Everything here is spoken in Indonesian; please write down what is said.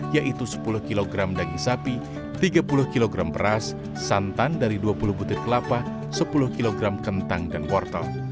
yaitu sepuluh kg daging sapi tiga puluh kg beras santan dari dua puluh butir kelapa sepuluh kg kentang dan wortel